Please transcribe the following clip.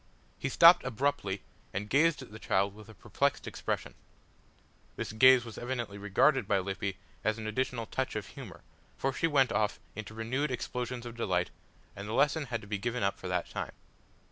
He stopped abruptly and gazed at the child with a perplexed expression. This gaze was evidently regarded by Lippy as an additional touch of humour, for she went off into renewed explosions of delight and the lesson had to be given up for that time.